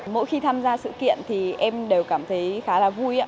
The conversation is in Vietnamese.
mỗi khi tham gia sự kiện thì em đều cảm thấy khá là vui